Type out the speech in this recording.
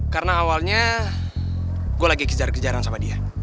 karena awalnya gue lagi kejar kejaran sama dia